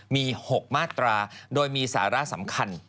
มี๖มาตราโดยมีสาระสำคัญ